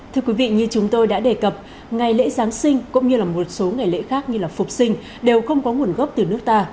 thưa quý vị như chúng tôi đã đề cập ngày lễ giáng sinh cũng như là một số ngày lễ khác như là phục sinh đều không có nguồn gốc từ nước ta